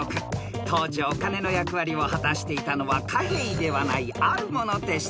［当時お金の役割を果たしていたのは貨幣ではないあるものでした］